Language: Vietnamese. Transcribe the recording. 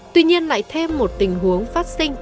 tuy nhiên lại thêm một tình huống phát sinh